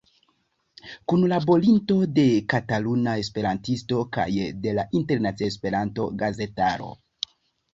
Kunlaborinto de Kataluna Esperantisto kaj de la internacia Esperanto-gazetaro.